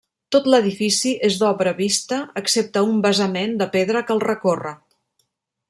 Tot l'edifici és d'obra vista excepte un basament de pedra que el recorre.